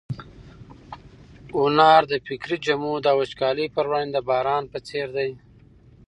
هنر د فکري جمود او وچکالۍ پر وړاندې د باران په څېر دی.